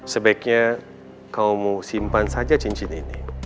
sebaiknya kamu simpan saja cincin ini